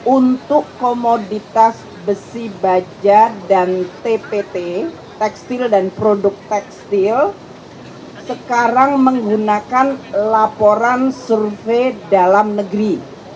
untuk komoditas besi baja dan tpt tekstil dan produk tekstil sekarang menggunakan laporan survei dalam negeri